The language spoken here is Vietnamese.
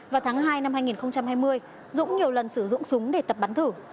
vào tháng hai năm hai nghìn hai mươi dũng nhiều lần sử dụng súng để tập bắn thử